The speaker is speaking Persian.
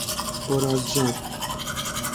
برازجان